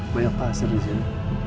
banyak pasir di sini